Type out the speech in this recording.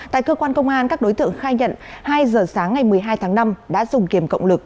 tại cơ quan công an các đối tượng khai nhận hai giờ sáng ngày một mươi hai tháng năm đã dùng kiềm cộng lực